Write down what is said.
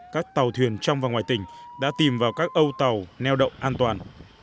các tàu thuyền trong và ngoài tỉnh đã tìm vào các âu tàu neo đậu an toàn